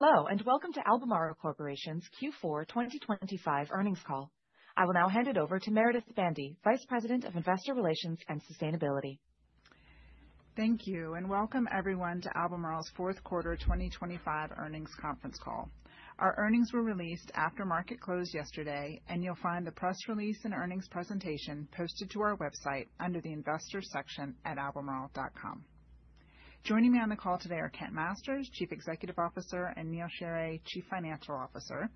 Hello, and welcome to Albemarle Corporation's Q4 2025 earnings call. I will now hand it over to Meredith Bandy, Vice President of Investor Relations and Sustainability. Thank you, and welcome everyone to Albemarle's Fourth Quarter 2025 Earnings Conference Call. Our earnings were released after market closed yesterday, and you'll find the press release and earnings presentation posted to our website under the Investors section at albemarle.com. Joining me on the call today are Kent Masters, Chief Executive Officer, and Neal Sheorey, Chief Financial Officer.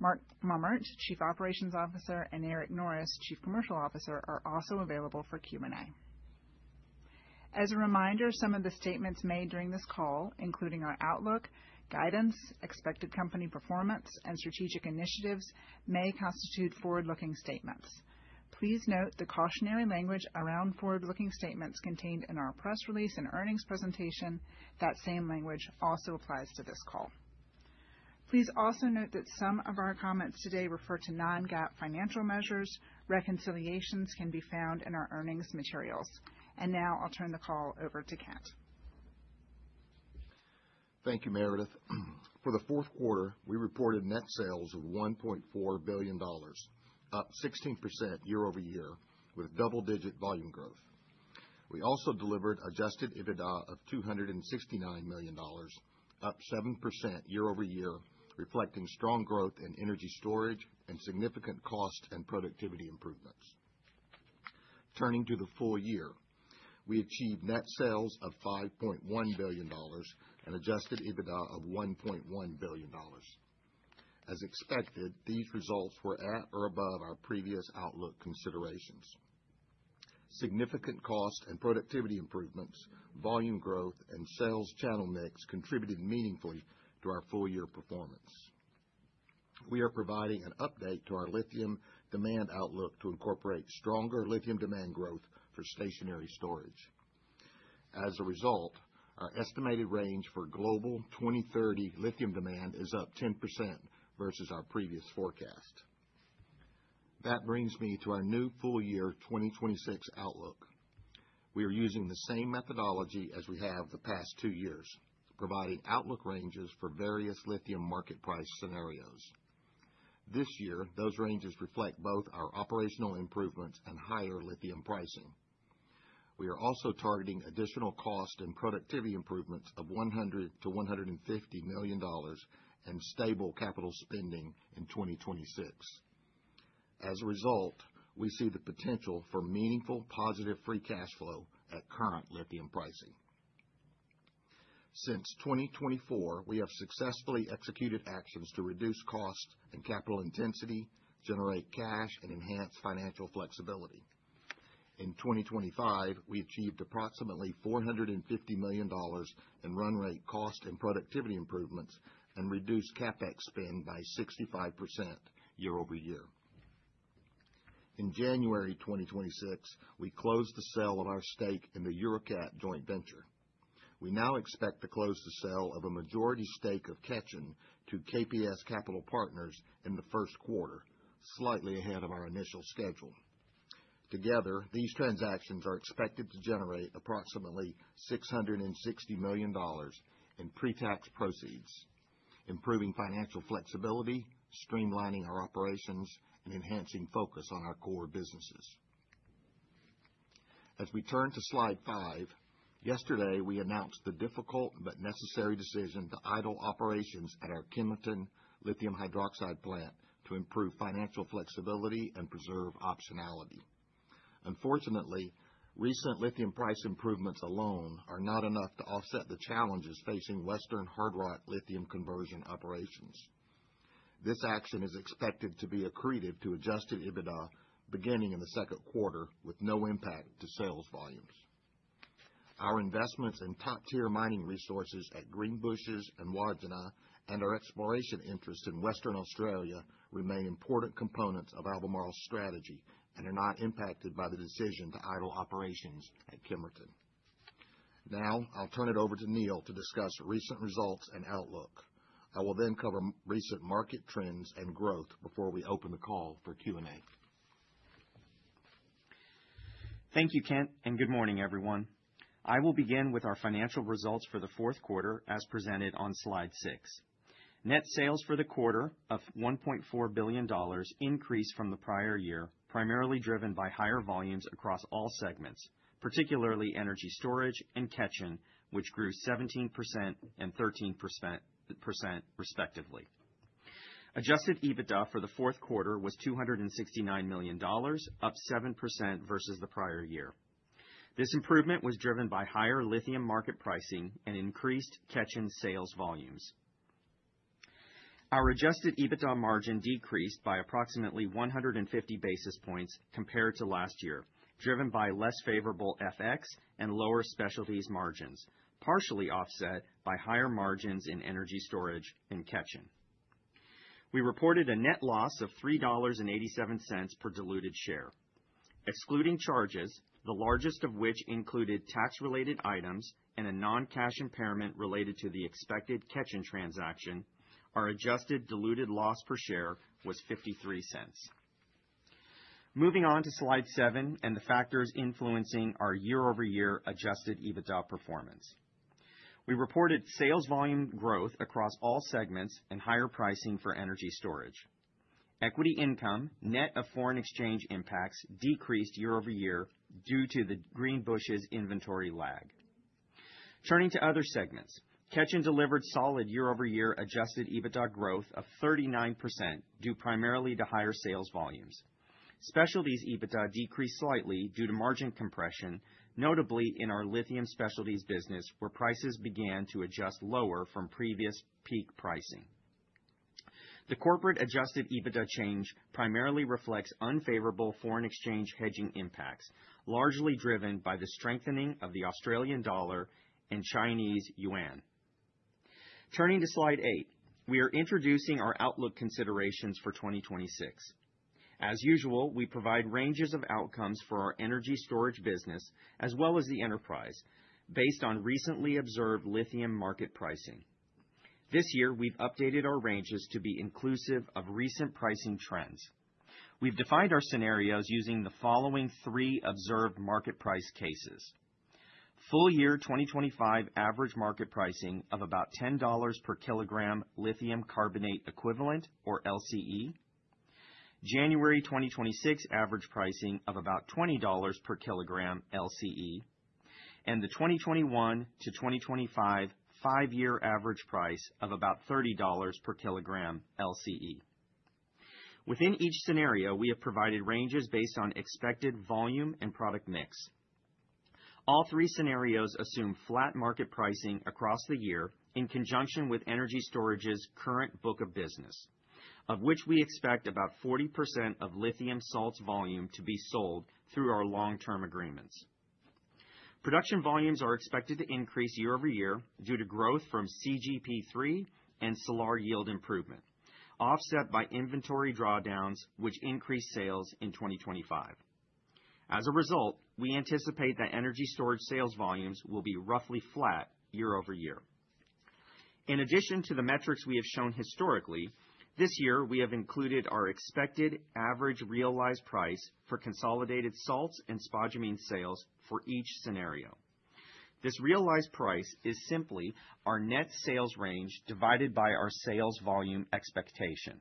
Mark Mummert, Chief Operations Officer, and Eric Norris, Chief Commercial Officer, are also available for Q&A. As a reminder, some of the statements made during this call, including our outlook, guidance, expected company performance, and strategic initiatives, may constitute forward-looking statements. Please note the cautionary language around forward-looking statements contained in our press release and earnings presentation. That same language also applies to this call. Please also note that some of our comments today refer to non-GAAP financial measures. Reconciliations can be found in our earnings materials. Now I'll turn the call over to Kent. Thank you, Meredith. For the fourth quarter, we reported net sales of $1.4 billion, up 16% year over year, with double-digit volume growth. We also delivered adjusted EBITDA of $269 million, up 7% year over year, reflecting strong growth in energy storage and significant cost and productivity improvements. Turning to the full year, we achieved net sales of $5.1 billion and adjusted EBITDA of $1.1 billion. As expected, these results were at or above our previous outlook considerations. Significant cost and productivity improvements, volume growth, and sales channel mix contributed meaningfully to our full year performance. We are providing an update to our lithium demand outlook to incorporate stronger lithium demand growth for stationary storage. As a result, our estimated range for global 2030 lithium demand is up 10% versus our previous forecast. That brings me to our new full year 2026 outlook. We are using the same methodology as we have the past 2 years, providing outlook ranges for various lithium market price scenarios. This year, those ranges reflect both our operational improvements and higher lithium pricing. We are also targeting additional cost and productivity improvements of $100 million-$150 million and stable capital spending in 2026. As a result, we see the potential for meaningful, positive free cash flow at current lithium pricing. Since 2024, we have successfully executed actions to reduce cost and capital intensity, generate cash, and enhance financial flexibility. In 2025, we achieved approximately $450 million in run rate cost and productivity improvements and reduced CapEx spend by 65% year-over-year. In January 2026, we closed the sale of our stake in the Eurecat joint venture. We now expect to close the sale of a majority stake of Ketjen to KPS Capital Partners in the first quarter, slightly ahead of our initial schedule. Together, these transactions are expected to generate approximately $660 million in pretax proceeds, improving financial flexibility, streamlining our operations, and enhancing focus on our core businesses. As we turn to slide5, yesterday, we announced the difficult but necessary decision to idle operations at our Kemerton lithium hydroxide plant to improve financial flexibility and preserve optionality. Unfortunately, recent lithium price improvements alone are not enough to offset the challenges facing western hard rock lithium conversion operations. This action is expected to be accretive to adjusted EBITDA beginning in the second quarter, with no impact to sales volumes. Our investments in top-tier mining resources at Greenbushes and Wodgina, and our exploration interests in Western Australia remain important components of Albemarle's strategy and are not impacted by the decision to idle operations at Kemerton. Now, I'll turn it over to Neal to discuss recent results and outlook. I will then cover recent market trends and growth before we open the call for Q&A. Thank you, Kent, and good morning, everyone. I will begin with our financial results for the fourth quarter, as presented on slide 6. Net sales for the quarter of $1.4 billion increased from the prior year, primarily driven by higher volumes across all segments, particularly energy storage and Ketjen, which grew 17% and 13%, respectively. Adjusted EBITDA for the fourth quarter was $269 million, up 7% versus the prior year. This improvement was driven by higher lithium market pricing and increased Ketjen sales volumes. Our adjusted EBITDA margin decreased by approximately 150 basis points compared to last year, driven by less favorable FX and lower specialties margins, partially offset by higher margins in energy storage and Ketjen. We reported a net loss of $3.87 per diluted share. Excluding charges, the largest of which included tax-related items and a non-cash impairment related to the expected Ketjen transaction, our adjusted diluted loss per share was $0.53. Moving on to Slide 7 and the factors influencing our year-over-year adjusted EBITDA performance. We reported sales volume growth across all segments and higher pricing for energy storage. Equity income, net of foreign exchange impacts, decreased year-over-year due to the Greenbushes inventory lag. Turning to other segments, Ketjen delivered solid year-over-year adjusted EBITDA growth of 39%, due primarily to higher sales volumes. Specialties EBITDA decreased slightly due to margin compression, notably in our lithium specialties business, where prices began to adjust lower from previous peak pricing. The corporate adjusted EBITDA change primarily reflects unfavorable foreign exchange hedging impacts, largely driven by the strengthening of the Australian dollar and Chinese yuan. Turning to Slide 8, we are introducing our outlook considerations for 2026. As usual, we provide ranges of outcomes for our energy storage business as well as the enterprise, based on recently observed lithium market pricing. This year, we've updated our ranges to be inclusive of recent pricing trends. We've defined our scenarios using the following three observed market price cases: Full year 2025 average market pricing of about $10 per kilogram lithium carbonate equivalent, or LCE. January 2026 average pricing of about $20 per kilogram LCE, and the 2021-2025 five-year average price of about $30 per kilogram LCE. Within each scenario, we have provided ranges based on expected volume and product mix. All three scenarios assume flat market pricing across the year, in conjunction with energy storage's current book of business, of which we expect about 40% of lithium salts volume to be sold through our long-term agreements. Production volumes are expected to increase year-over-year due to growth from CGP3 and Salar yield improvement, offset by inventory drawdowns, which increased sales in 2025. As a result, we anticipate that energy storage sales volumes will be roughly flat year-over-year. In addition to the metrics we have shown historically, this year, we have included our expected average realized price for consolidated salts and spodumene sales for each scenario. This realized price is simply our net sales range divided by our sales volume expectation.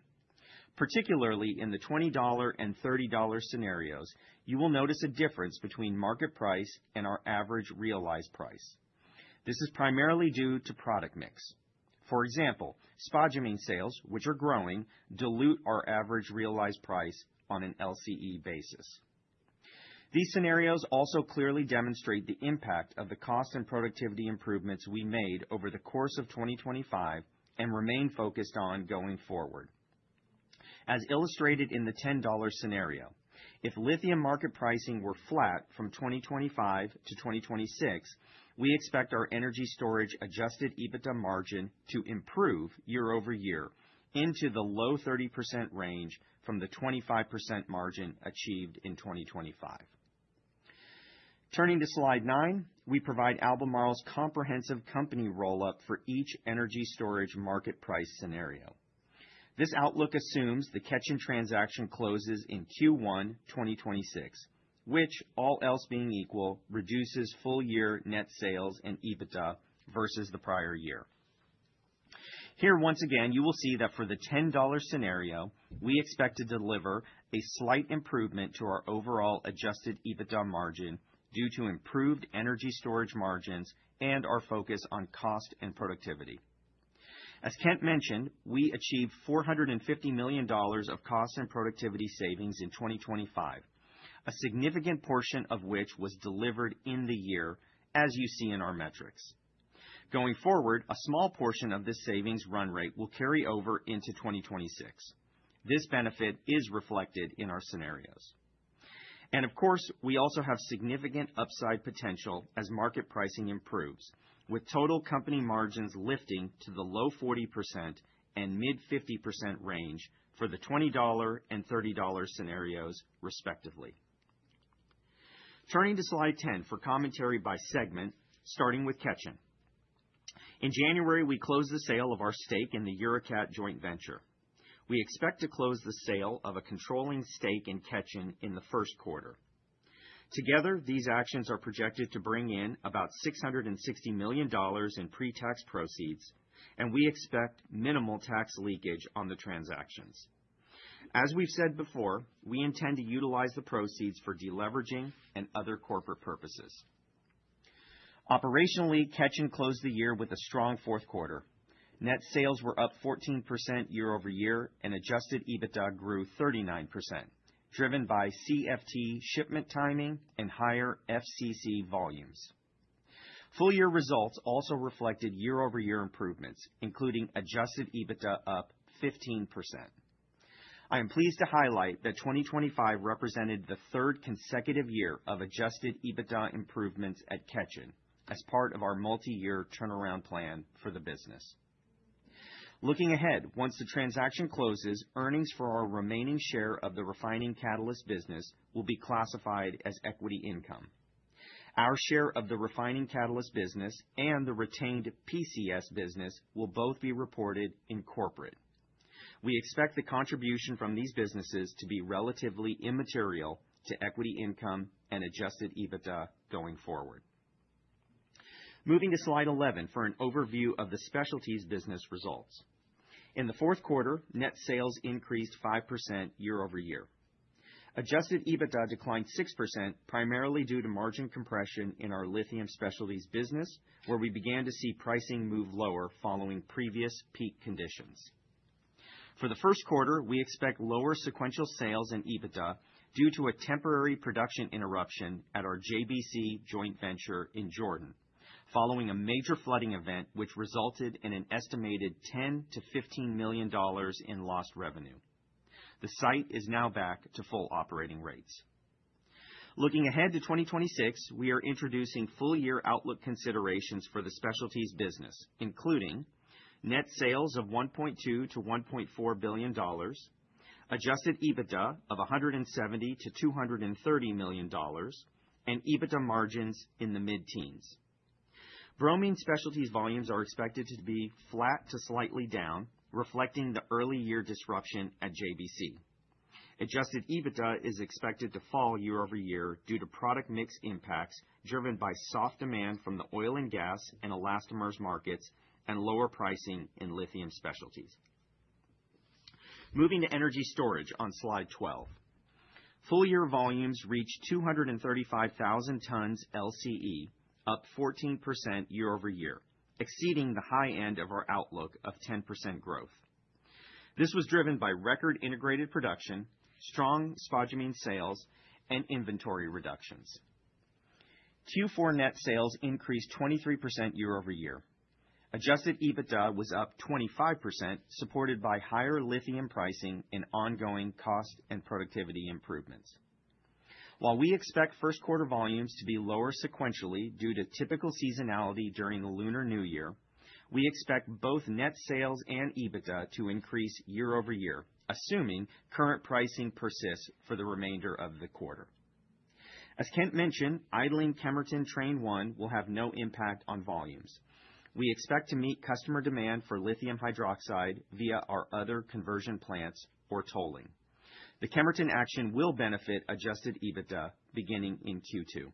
Particularly in the $20 and $30 scenarios, you will notice a difference between market price and our average realized price. This is primarily due to product mix. For example, spodumene sales, which are growing, dilute our average realized price on an LCE basis. These scenarios also clearly demonstrate the impact of the cost and productivity improvements we made over the course of 2025, and remain focused on going forward. As illustrated in the $10 scenario, if lithium market pricing were flat from 2025 to 2026, we expect our energy storage adjusted EBITDA margin to improve year-over-year into the low 30% range from the 25% margin achieved in 2025. Turning to Slide 9, we provide Albemarle's comprehensive company roll-up for each energy storage market price scenario. This outlook assumes the Ketjen transaction closes in Q1 2026, which, all else being equal, reduces full-year net sales and EBITDA versus the prior year. Here, once again, you will see that for the $10 scenario, we expect to deliver a slight improvement to our overall adjusted EBITDA margin due to improved energy storage margins and our focus on cost and productivity. As Kent mentioned, we achieved $450 million of cost and productivity savings in 2025, a significant portion of which was delivered in the year, as you see in our metrics. Going forward, a small portion of this savings run rate will carry over into 2026. This benefit is reflected in our scenarios. And of course, we also have significant upside potential as market pricing improves, with total company margins lifting to the low 40% and mid 50% range for the $20 and $30 scenarios, respectively. Turning to Slide 10 for commentary by segment, starting with Ketjen. In January, we closed the sale of our stake in the Eurecat joint venture. We expect to close the sale of a controlling stake in Ketjen in the first quarter. Together, these actions are projected to bring in about $660 million in pre-tax proceeds, and we expect minimal tax leakage on the transactions. As we've said before, we intend to utilize the proceeds for deleveraging and other corporate purposes. Operationally, Ketjen closed the year with a strong fourth quarter. Net sales were up 14% year-over-year, and adjusted EBITDA grew 39%, driven by CFT shipment timing and higher FCC volumes. Full year results also reflected year-over-year improvements, including adjusted EBITDA up 15%. I am pleased to highlight that 2025 represented the third consecutive year of adjusted EBITDA improvements at Ketjen as part of our multi-year turnaround plan for the business. Looking ahead, once the transaction closes, earnings for our remaining share of the refining catalyst business will be classified as equity income. Our share of the refining catalyst business and the retained PCS business will both be reported in corporate. We expect the contribution from these businesses to be relatively immaterial to equity income and adjusted EBITDA going forward. Moving to slide 11 for an overview of the specialties business results. In the fourth quarter, net sales increased 5% year-over-year. Adjusted EBITDA declined 6%, primarily due to margin compression in our lithium specialties business, where we began to see pricing move lower following previous peak conditions. For the first quarter, we expect lower sequential sales and EBITDA due to a temporary production interruption at our JBC joint venture in Jordan, following a major flooding event, which resulted in an estimated $10-$15 million in lost revenue. The site is now back to full operating rates. Looking ahead to 2026, we are introducing full year outlook considerations for the specialties business, including net sales of $1.2-$1.4 billion, adjusted EBITDA of $170-$230 million, and EBITDA margins in the mid-teens. Bromine specialties volumes are expected to be flat to slightly down, reflecting the early year disruption at JBC. Adjusted EBITDA is expected to fall year-over-year due to product mix impacts driven by soft demand from the oil and gas and elastomers markets and lower pricing in lithium specialties. Moving to energy storage on Slide 12. Full-year volumes reached 235,000 tons LCE, up 14% year-over-year, exceeding the high end of our outlook of 10% growth. This was driven by record integrated production, strong spodumene sales, and inventory reductions. Q4 net sales increased 23% year-over-year. Adjusted EBITDA was up 25%, supported by higher lithium pricing and ongoing cost and productivity improvements. While we expect first quarter volumes to be lower sequentially due to typical seasonality during the Lunar New Year, we expect both net sales and EBITDA to increase year-over-year, assuming current pricing persists for the remainder of the quarter. As Kent mentioned, idling Kemerton Train 1 will have no impact on volumes. We expect to meet customer demand for lithium hydroxide via our other conversion plants or tolling. The Kemerton action will benefit adjusted EBITDA beginning in Q2.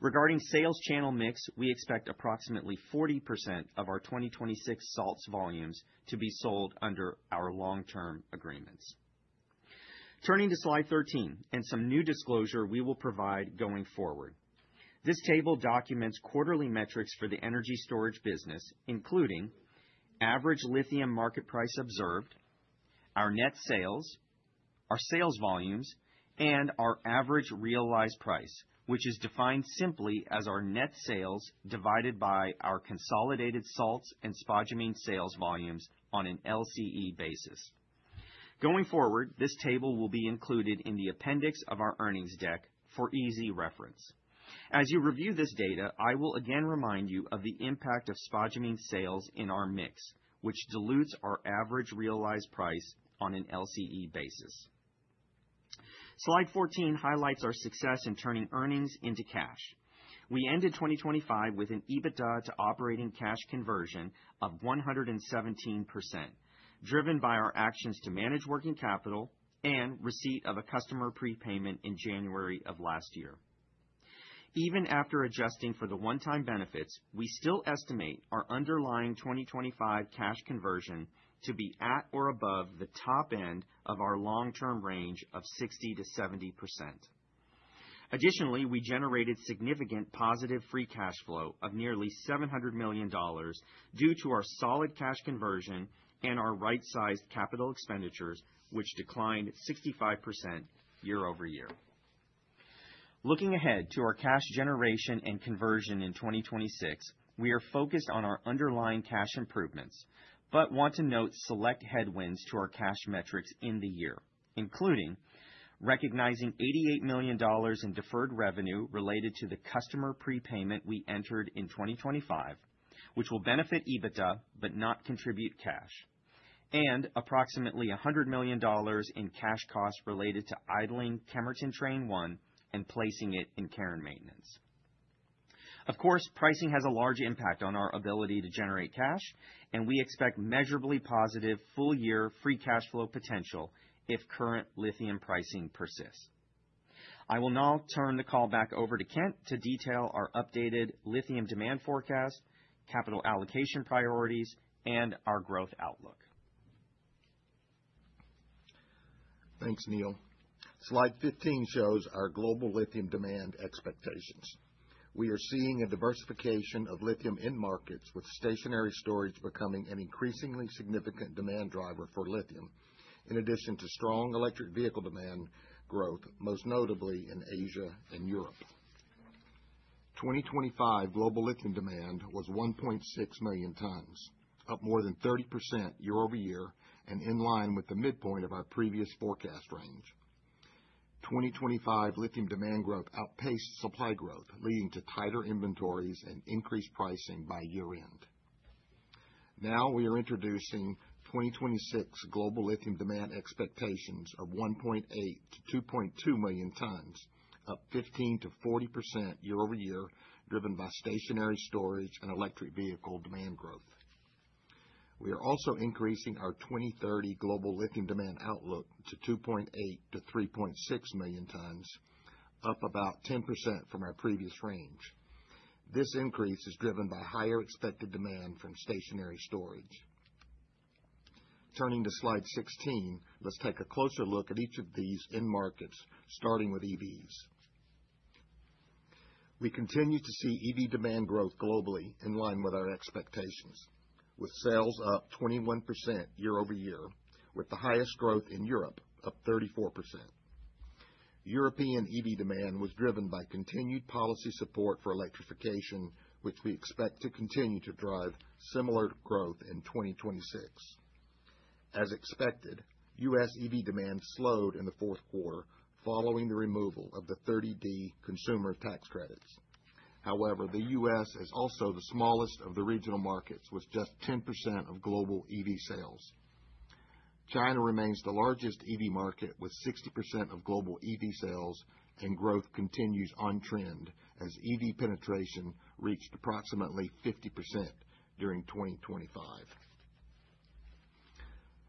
Regarding sales channel mix, we expect approximately 40% of our 2026 salts volumes to be sold under our long-term agreements. Turning to Slide 13 and some new disclosure we will provide going forward. This table documents quarterly metrics for the energy storage business, including average lithium market price observed, our net sales, our sales volumes, and our average realized price, which is defined simply as our net sales divided by our consolidated salts and spodumene sales volumes on an LCE basis. Going forward, this table will be included in the appendix of our earnings deck for easy reference. As you review this data, I will again remind you of the impact of spodumene sales in our mix, which dilutes our average realized price on an LCE basis. Slide 14 highlights our success in turning earnings into cash. We ended 2025 with an EBITDA to operating cash conversion of 117%, driven by our actions to manage working capital and receipt of a customer prepayment in January of last year. Even after adjusting for the one-time benefits, we still estimate our underlying 2025 cash conversion to be at or above the top end of our long-term range of 60%-70%. Additionally, we generated significant positive free cash flow of nearly $700 million due to our solid cash conversion and our right-sized capital expenditures, which declined 65% year over year. Looking ahead to our cash generation and conversion in 2026, we are focused on our underlying cash improvements, but want to note select headwinds to our cash metrics in the year, including recognizing $88 million in deferred revenue related to the customer prepayment we entered in 2025, which will benefit EBITDA, but not contribute cash. Approximately $100 million in cash costs related to idling Kemerton Train One and placing it in care and maintenance. Of course, pricing has a large impact on our ability to generate cash, and we expect measurably positive full year free cash flow potential if current lithium pricing persists. I will now turn the call back over to Kent to detail our updated lithium demand forecast, capital allocation priorities, and our growth outlook. Thanks, Neal. Slide 15 shows our global lithium demand expectations. We are seeing a diversification of lithium end markets, with stationary storage becoming an increasingly significant demand driver for lithium, in addition to strong electric vehicle demand growth, most notably in Asia and Europe. 2025 global lithium demand was 1.6 million tons, up more than 30% year-over-year and in line with the midpoint of our previous forecast range. 2025 lithium demand growth outpaced supply growth, leading to tighter inventories and increased pricing by year-end. Now we are introducing 2026 global lithium demand expectations of 1.8-2.2 million tons, up 15%-40% year-over-year, driven by stationary storage and electric vehicle demand growth. We are also increasing our 2030 global lithium demand outlook to 2.8-3.6 million tons, up about 10% from our previous range. This increase is driven by higher expected demand from stationary storage. Turning to slide 16, let's take a closer look at each of these end markets, starting with EVs. We continue to see EV demand growth globally in line with our expectations, with sales up 21% year-over-year, with the highest growth in Europe, up 34%. European EV demand was driven by continued policy support for electrification, which we expect to continue to drive similar growth in 2026. As expected, U.S. EV demand slowed in the fourth quarter following the removal of the 30D consumer tax credits. However, the U.S. is also the smallest of the regional markets, with just 10% of global EV sales. China remains the largest EV market, with 60% of global EV sales, and growth continues on trend as EV penetration reached approximately 50% during 2025.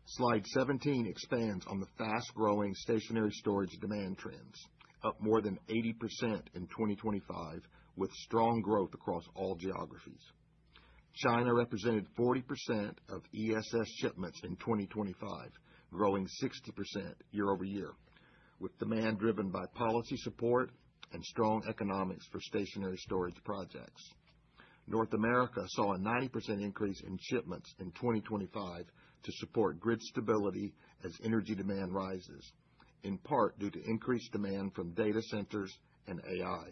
Slide 17 expands on the fast-growing stationary storage demand trends, up more than 80% in 2025, with strong growth across all geographies. China represented 40% of ESS shipments in 2025, growing 60% year-over-year, with demand driven by policy support and strong economics for stationary storage projects. North America saw a 90% increase in shipments in 2025 to support grid stability as energy demand rises, in part due to increased demand from data centers and AI.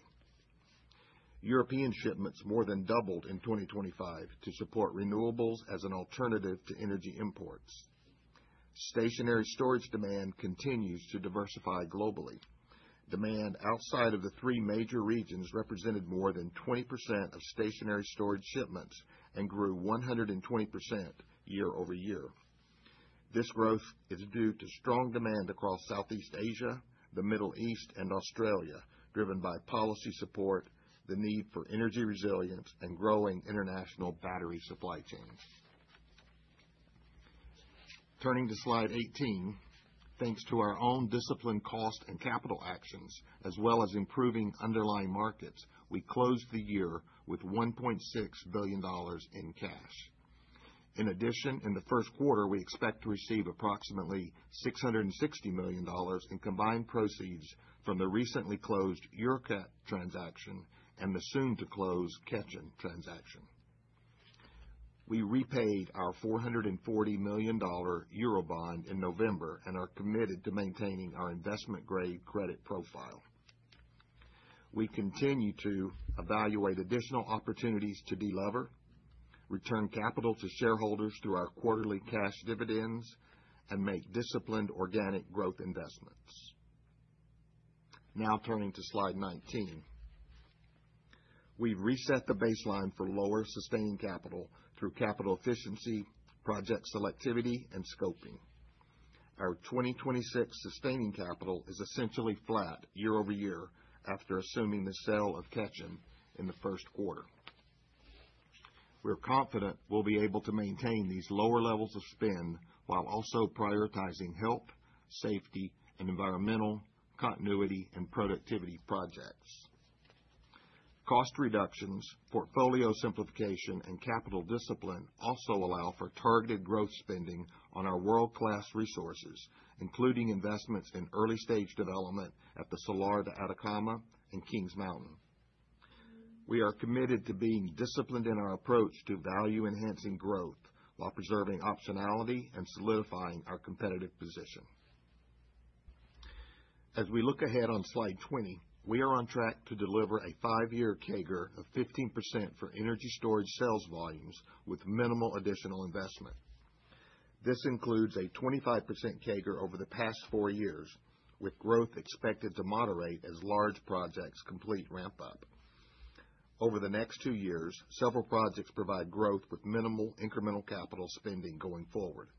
European shipments more than doubled in 2025 to support renewables as an alternative to energy imports. Stationary storage demand continues to diversify globally. Demand outside of the three major regions represented more than 20% of stationary storage shipments and grew 120% year-over-year. This growth is due to strong demand across Southeast Asia, the Middle East, and Australia, driven by policy support, the need for energy resilience, and growing international battery supply chains. Turning to slide 18, thanks to our own disciplined cost and capital actions, as well as improving underlying markets, we closed the year with $1.6 billion in cash. In addition, in the first quarter, we expect to receive approximately $660 million in combined proceeds from the recently closedEurecat transaction and the soon-to-close Ketjen transaction. We repaid our $440 million Eurobond in November and are committed to maintaining our investment-grade credit profile. We continue to evaluate additional opportunities to delever, return capital to shareholders through our quarterly cash dividends, and make disciplined organic growth investments. Now turning to slide 19. We've reset the baseline for lower sustaining capital through capital efficiency, project selectivity, and scoping. Our 2026 sustaining capital is essentially flat year-over-year after assuming the sale of Ketjen in the first quarter. We're confident we'll be able to maintain these lower levels of spend while also prioritizing health, safety, and environmental continuity and productivity projects. Cost reductions, portfolio simplification, and capital discipline also allow for targeted growth spending on our world-class resources, including investments in early-stage development at the Salar de Atacama and Kings Mountain. We are committed to being disciplined in our approach to value-enhancing growth while preserving optionality and solidifying our competitive position. As we look ahead on slide 20, we are on track to deliver a 5-year CAGR of 15% for energy storage sales volumes with minimal additional investment. This includes a 25% CAGR over the past 4 years, with growth expected to moderate as large projects complete ramp-up. Over the next 2 years, several projects provide growth with minimal incremental capital spending going forward.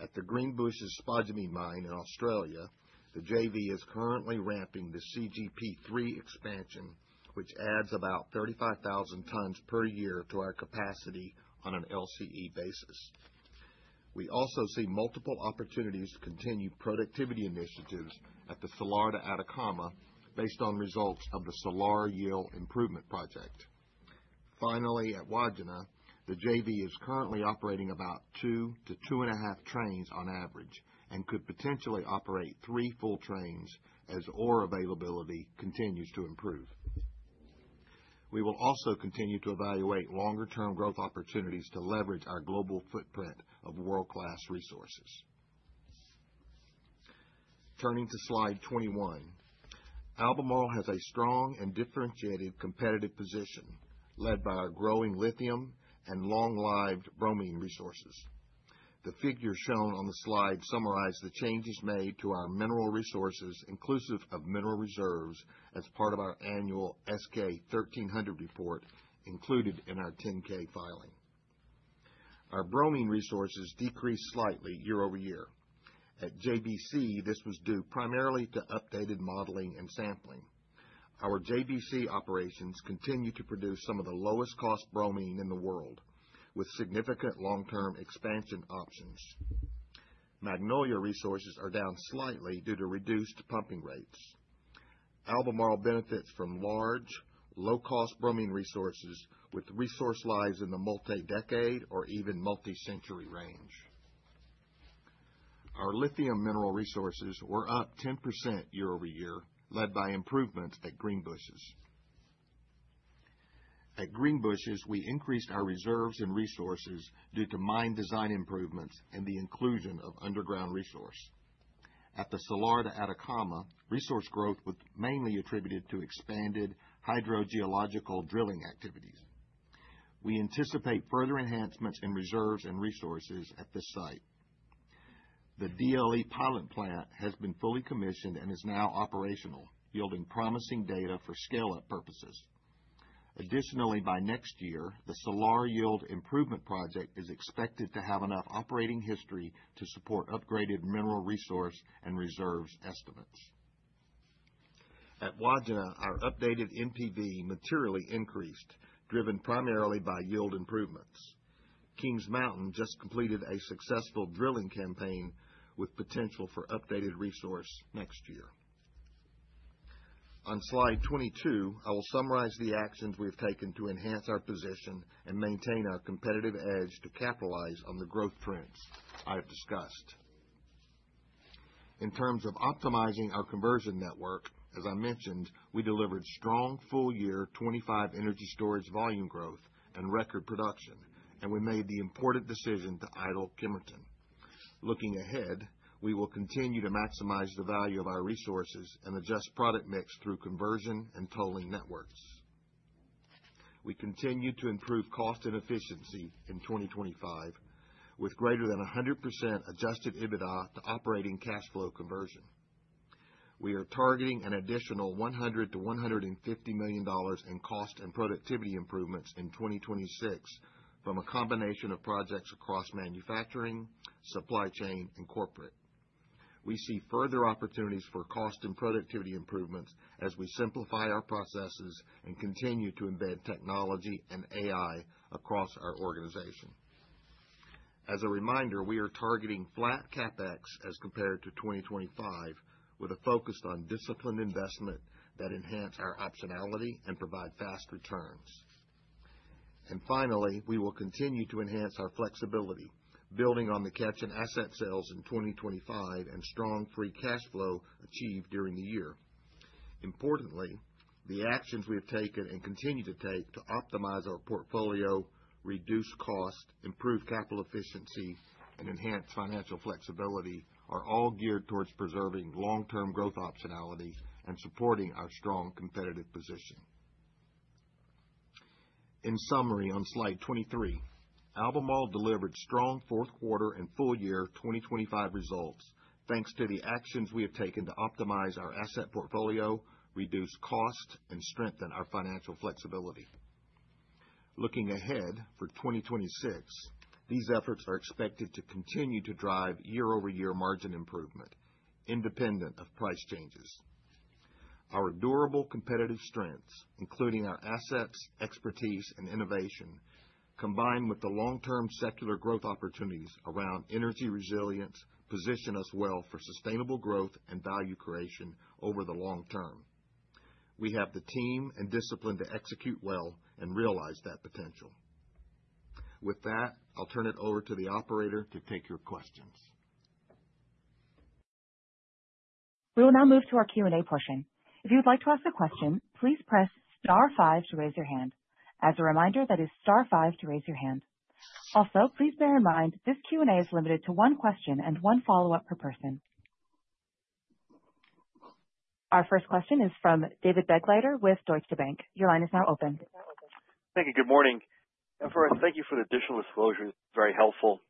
At the Greenbushes spodumene mine in Australia, the JV is currently ramping the CGP3 expansion, which adds about 35,000 tons per year to our capacity on an LCE basis. We also see multiple opportunities to continue productivity initiatives at the Salar de Atacama based on results of the Salar Yield Improvement Project. Finally, at Wodgina, the JV is currently operating about 2-2.5 trains on average and could potentially operate 3 full trains as ore availability continues to improve. We will also continue to evaluate longer-term growth opportunities to leverage our global footprint of world-class resources. Turning to slide 21. Albemarle has a strong and differentiated competitive position, led by our growing lithium and long-lived bromine resources. The figures shown on the slide summarize the changes made to our mineral resources, inclusive of mineral reserves, as part of our annual S-K 1300 report included in our 10-K filing. Our bromine resources decreased slightly year-over-year. At JBC, this was due primarily to updated modeling and sampling. Our JBC operations continue to produce some of the lowest cost bromine in the world, with significant long-term expansion options. Magnolia resources are down slightly due to reduced pumping rates. Albemarle benefits from large, low-cost bromine resources with resource lives in the multi-decade or even multi-century range. Our lithium mineral resources were up 10% year-over-year, led by improvements at Greenbushes. At Greenbushes, we increased our reserves and resources due to mine design improvements and the inclusion of underground resource. At the Salar de Atacama, resource growth was mainly attributed to expanded hydrogeological drilling activities. We anticipate further enhancements in reserves and resources at this site. The DLE pilot plant has been fully commissioned and is now operational, yielding promising data for scale-up purposes. Additionally, by next year, the Salar Yield Improvement Project is expected to have enough operating history to support upgraded mineral resource and reserves estimates. At Wodgina, our updated NPV materially increased, driven primarily by yield improvements. Kings Mountain just completed a successful drilling campaign with potential for updated resource next year. On slide 22, I will summarize the actions we have taken to enhance our position and maintain our competitive edge to capitalize on the growth trends I have discussed. In terms of optimizing our conversion network, as I mentioned, we delivered strong full year 2025 energy storage volume growth and record production, and we made the important decision to idle Kemerton. Looking ahead, we will continue to maximize the value of our resources and adjust product mix through conversion and tolling networks. We continue to improve cost and efficiency in 2025, with greater than 100% adjusted EBITDA to operating cash flow conversion. We are targeting an additional $100 million-$150 million in cost and productivity improvements in 2026 from a combination of projects across manufacturing, supply chain, and corporate. We see further opportunities for cost and productivity improvements as we simplify our processes and continue to embed technology and AI across our organization. As a reminder, we are targeting flat CapEx as compared to 2025, with a focus on disciplined investment that enhance our optionality and provide fast returns. And finally, we will continue to enhance our flexibility, building on the cash and asset sales in 2025 and strong free cash flow achieved during the year. Importantly, the actions we have taken and continue to take to optimize our portfolio, reduce cost, improve capital efficiency, and enhance financial flexibility are all geared towards preserving long-term growth optionality and supporting our strong competitive position. In summary, on slide 23, Albemarle delivered strong fourth quarter and full year 2025 results, thanks to the actions we have taken to optimize our asset portfolio, reduce cost, and strengthen our financial flexibility. Looking ahead for 2026, these efforts are expected to continue to drive year-over-year margin improvement, independent of price changes. Our durable competitive strengths, including our assets, expertise, and innovation, combined with the long-term secular growth opportunities around energy resilience, position us well for sustainable growth and value creation over the long term. We have the team and discipline to execute well and realize that potential. With that, I'll turn it over to the operator to take your questions. We will now move to our Q&A portion. If you would like to ask a question, please press star five to raise your hand. As a reminder, that is star five to raise your hand. Also, please bear in mind, this Q&A is limited to one question and one follow-up per person. Our first question is from David Begleiter with Deutsche Bank. Your line is now open. Thank you. Good morning. First, thank you for the additional disclosure. It's very helpful.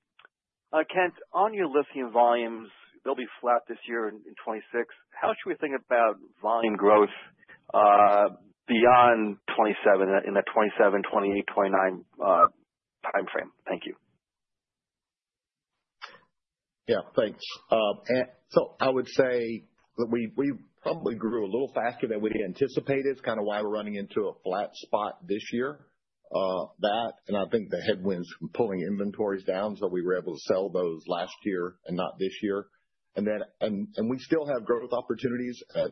Kent, on your lithium volumes, they'll be flat this year in 2026. How should we think about volume growth beyond 2027, in the 2027, 2028, 2029 timeframe? Thank you. Yeah, thanks. And so I would say that we probably grew a little faster than we anticipated. It's kind of why we're running into a flat spot this year. That and I think the headwinds from pulling inventories down, so we were able to sell those last year and not this year. And then we still have growth opportunities at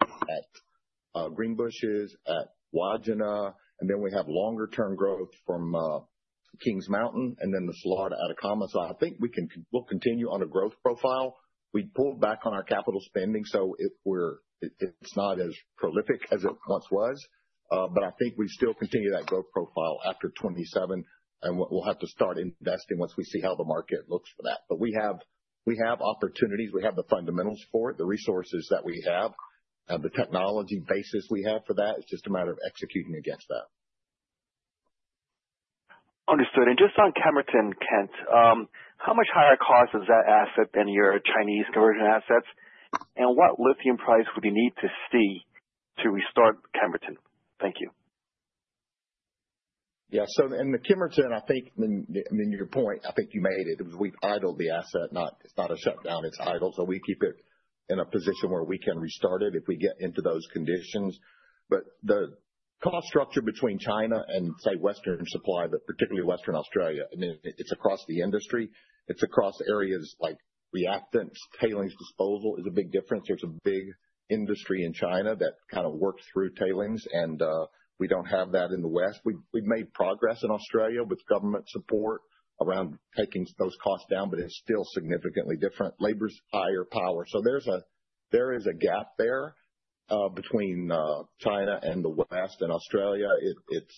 Greenbushes, at Wodgina, and then we have longer term growth from Kings Mountain and then the Salar de Atacama. So I think we'll continue on a growth profile. We pulled back on our capital spending, so it's not as prolific as it once was, but I think we still continue that growth profile after 2027, and we'll have to start investing once we see how the market looks for that. But we have, we have opportunities, we have the fundamentals for it, the resources that we have, the technology basis we have for that. It's just a matter of executing against that.... Understood. And just on Kemerton, Kent, how much higher cost is that asset than your Chinese conversion assets? And what lithium price would you need to see to restart Kemerton? Thank you. Yeah, so in the Kemerton, I think, and your point, I think you made it, is we've idled the asset, not- it's not a shutdown, it's idle. So we keep it in a position where we can restart it if we get into those conditions. But the cost structure between China and, say, Western supply, but particularly Western Australia, I mean, it's across the industry. It's across areas like reactants, tailings disposal is a big difference. There's a big industry in China that kind of works through tailings, and we don't have that in the West. We've made progress in Australia with government support around taking those costs down, but it's still significantly different. Labor's higher, power. So there's a gap there between China and the West and Australia. It's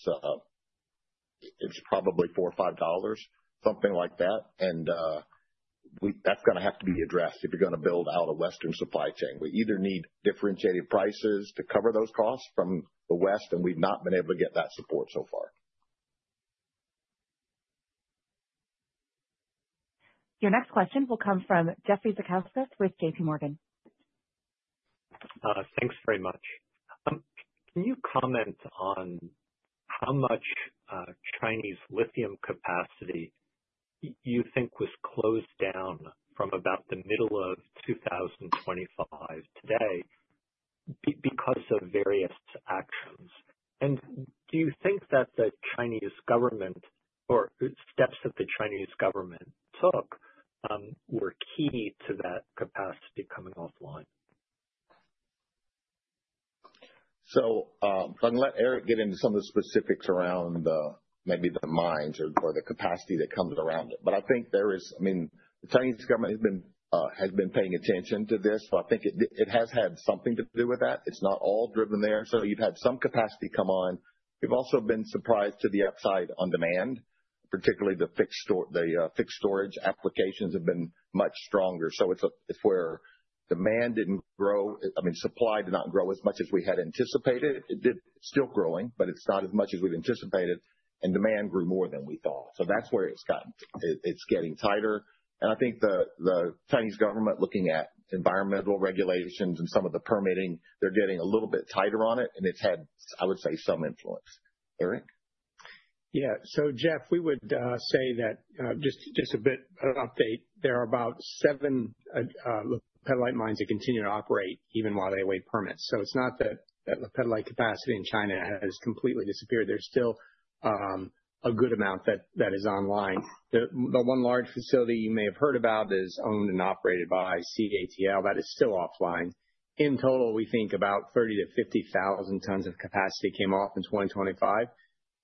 probably $4 or $5, something like that. That's going to have to be addressed if you're going to build out a Western supply chain. We either need differentiated prices to cover those costs from the West, and we've not been able to get that support so far. Your next question will come from Jeffrey Zekauskas with J.P. Morgan. Thanks very much. Can you comment on how much Chinese lithium capacity you think was closed down from about the middle of 2025 to today because of various actions? Do you think that the Chinese government, or steps that the Chinese government took, were key to that capacity coming offline? So, I'm going to let Eric get into some of the specifics around maybe the mines or the capacity that comes around it. But I think there is... I mean, the Chinese government has been paying attention to this, so I think it has had something to do with that. It's not all driven there. So you've had some capacity come on. We've also been surprised to the upside on demand, particularly the fixed storage applications have been much stronger. So it's where demand didn't grow. I mean, supply did not grow as much as we had anticipated. Still growing, but it's not as much as we'd anticipated, and demand grew more than we thought. So that's where it's gotten. It's getting tighter, and I think the Chinese government, looking at environmental regulations and some of the permitting, they're getting a little bit tighter on it, and it's had, I would say, some influence. Eric? Yeah. So, Jeff, we would say that just a bit of an update, there are about 7 petalite mines that continue to operate even while they await permits. So it's not that the petalite capacity in China has completely disappeared. There's still a good amount that is online. The one large facility you may have heard about that is owned and operated by CATL, that is still offline. In total, we think about 30,000-50,000 tons of capacity came off in 2025.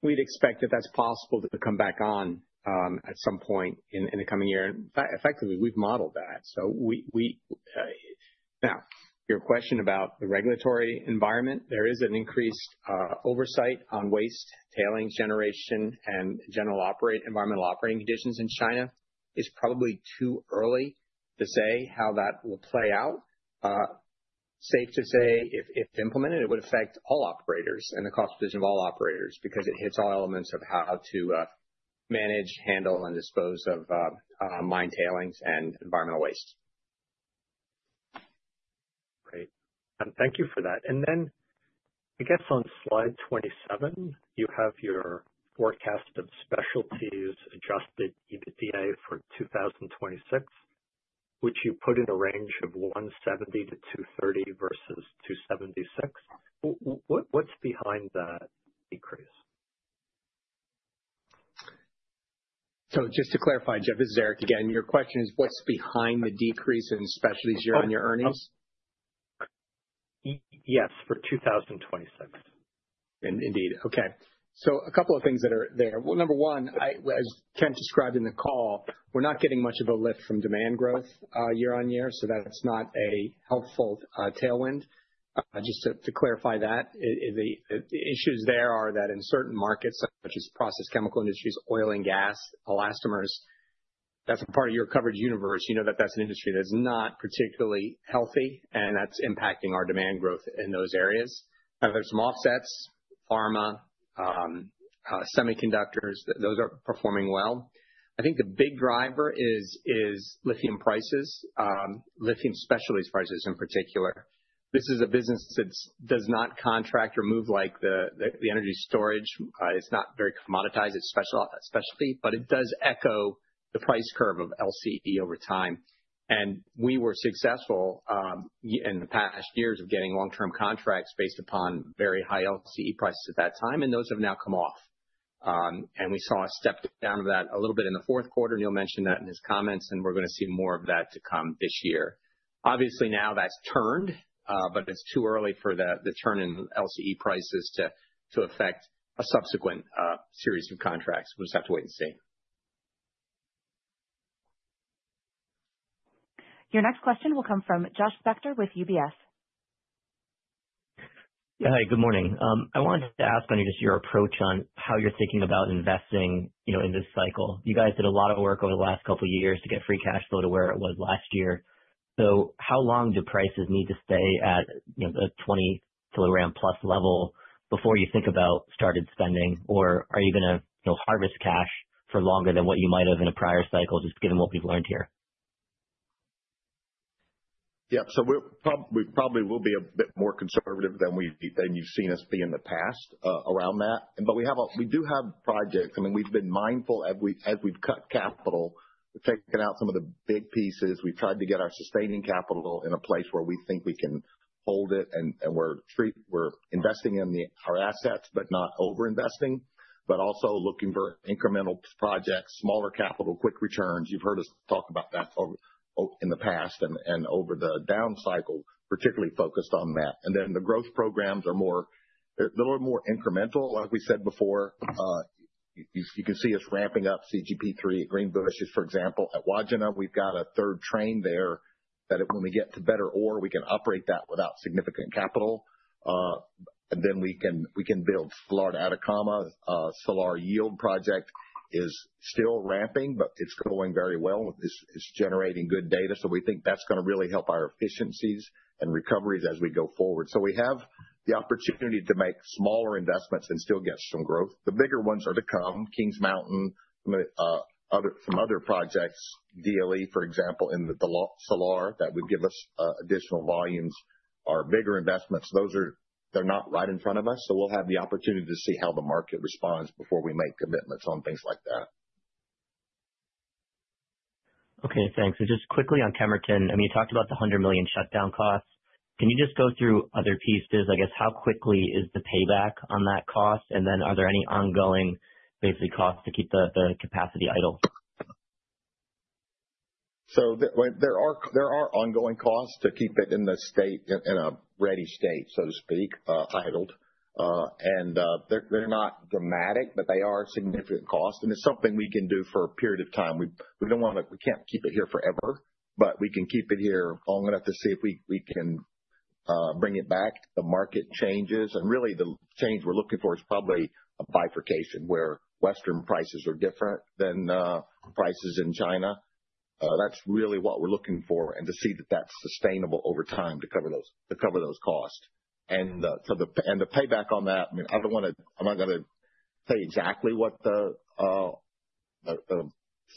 We'd expect that that's possible to come back on at some point in the coming year. Effectively, we've modeled that, so we... Now, your question about the regulatory environment, there is an increased oversight on waste, tailings generation, and general environmental operating conditions in China. It's probably too early to say how that will play out. Safe to say, if implemented, it would affect all operators and the cost position of all operators, because it hits all elements of how to manage, handle, and dispose of mine tailings and environmental waste. Great. And thank you for that. And then I guess on slide 27, you have your forecast of Specialties adjusted EBITDA for 2026, which you put in a range of 170-230 versus 276. What’s behind that decrease? So just to clarify, Jeff, this is Eric again. Your question is, what's behind the decrease in Specialties year-over-year earnings? Yes, for 2026. Indeed. Okay. So a couple of things that are there. Well, number one, I, as Kent described in the call, we're not getting much of a lift from demand growth year-on-year, so that's not a helpful tailwind. Just to clarify that, the issues there are that in certain markets, such as process chemical industries, oil and gas, elastomers, that's a part of your coverage universe. You know that that's an industry that's not particularly healthy, and that's impacting our demand growth in those areas. Now, there's some offsets, pharma, semiconductors, those are performing well. I think the big driver is lithium prices, lithium specialties prices in particular. This is a business that's does not contract or move like the energy storage. It's not very commoditized, it's specialty, but it does echo the price curve of LCE over time. And we were successful in the past years of getting long-term contracts based upon very high LCE prices at that time, and those have now come off. And we saw a step down of that a little bit in the fourth quarter, Neal mentioned that in his comments, and we're going to see more of that to come this year. Obviously, now that's turned, but it's too early for the turn in LCE prices to affect a subsequent series of contracts. We'll just have to wait and see. Your next question will come from Josh Spector with UBS. Yeah. Hi, good morning. I wanted to ask on just your approach on how you're thinking about investing, you know, in this cycle. You guys did a lot of work over the last couple of years to get free cash flow to where it was last year.... So how long do prices need to stay at, you know, the 20 kg plus level before you think about started spending? Or are you going to, you know, harvest cash for longer than what you might have in a prior cycle, just given what we've learned here? Yeah. So we're probably will be a bit more conservative than we've, than you've seen us be in the past around that. But we have a—we do have projects. I mean, we've been mindful as we, as we've cut capital, taking out some of the big pieces. We've tried to get our sustaining capital in a place where we think we can hold it, and we're investing in our assets, but not over-investing, but also looking for incremental projects, smaller capital, quick returns. You've heard us talk about that over in the past and over the down cycle, particularly focused on that. And then the growth programs are more, they're a little more incremental. Like we said before, you can see us ramping up CGP3 at Greenbushes, for example. At Wodgina, we've got a third train there that when we get to better ore, we can operate that without significant capital. And then we can build Salar de Atacama. Salar Yield project is still ramping, but it's going very well. It's generating good data, so we think that's gonna really help our efficiencies and recoveries as we go forward. So we have the opportunity to make smaller investments and still get some growth. The bigger ones are to come. Kings Mountain, other, some other projects, DLE, for example, in the Salar, that would give us additional volumes, are bigger investments. Those are... They're not right in front of us, so we'll have the opportunity to see how the market responds before we make commitments on things like that. Okay, thanks. So just quickly on Kemerton, I mean, you talked about the $100 million shutdown costs. Can you just go through other pieces? I guess, how quickly is the payback on that cost? And then are there any ongoing, basically, costs to keep the, the capacity idle? So, when there are ongoing costs to keep it in the state, in a ready state, so to speak, idled. And they're not dramatic, but they are significant costs, and it's something we can do for a period of time. We don't want to—we can't keep it here forever, but we can keep it here long enough to see if we can bring it back. The market changes, and really, the change we're looking for is probably a bifurcation, where Western prices are different than prices in China. That's really what we're looking for, and to see that that's sustainable over time to cover those costs. And, so the... The payback on that, I mean, I don't want to—I'm not going to say exactly what the